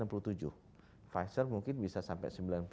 pfizer mungkin bisa sampai sembilan puluh